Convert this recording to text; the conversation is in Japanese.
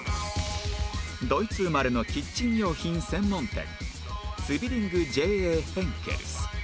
ドイツ生まれのキッチン用品専門店ツヴィリング Ｊ．Ａ． ヘンケルス